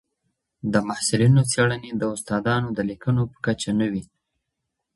د محصلینو څېړني د استادانو د لیکنو په کچه نه وي.